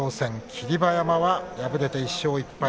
霧馬山、敗れて１勝１敗。